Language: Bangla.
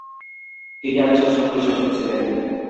তিনি একজন সফল শাসক ছিলেন।